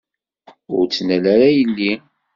Ur ttnal ara yelli!